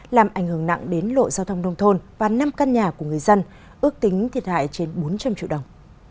làm ảnh hưởng nặng đến lộ giao thông nông thôn và năm căn nhà của người dân ước tính thiệt hại trên bốn trăm linh triệu đồng